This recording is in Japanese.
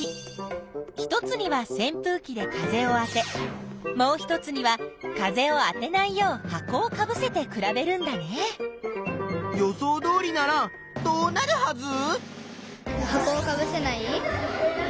１つには扇風機で風をあてもう１つには風をあてないよう箱をかぶせて比べるんだね。予想どおりならどうなるはず？